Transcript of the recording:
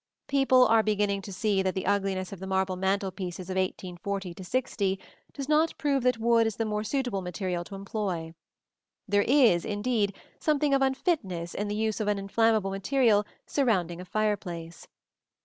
People are beginning to see that the ugliness of the marble mantel pieces of 1840 60 does not prove that wood is the more suitable material to employ. There is indeed something of unfitness in the use of an inflammable material surrounding a fireplace.